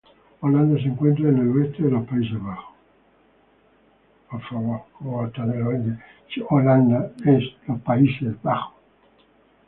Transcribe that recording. Holanda se encuentra en el oeste de los Países Bajos.